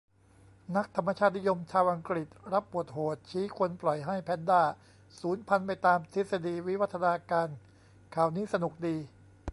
นักธรรมชาตินิยมชาวอังกฤษรับบทโหด ชี้ควรปล่อยให้"แพนดา"สูญพันธุ์ไปตามทฤษฎีวิวัฒนาการ ข่าวนี้สนุกดี